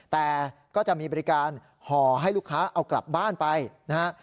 แต่ก็จะมีบริการห่อให้ลูกค้าเอากลับบ้านไปนะฮะ